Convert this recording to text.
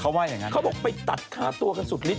เขาไว้อย่างนั้นนะครับเขาบอกไปตัดคาตัวกันสุดริด